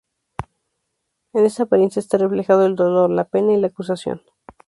En esta apariencia está reflejado el dolor, la pena y la acusación.